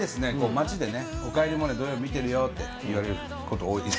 街でね「おかえりモネ」土曜日見てるよって言われること多いんで。